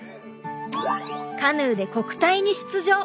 カヌーで国体に出場。